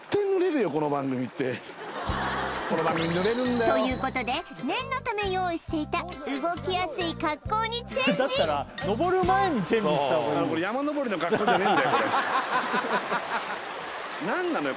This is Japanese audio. もうということで念のため用意していた動きやすい格好にチェンジ何なのよ